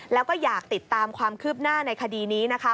แล้วก็อยากติดตามความคืบหน้าในคดีนี้นะคะ